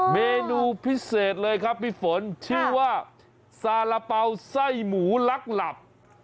เมนูพิเศษเลยครับพี่ฝนชื่อว่าซาระเป๋าไส้หมูลักหลับ